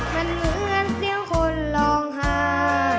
มันเหมือนเสียงคนลองหา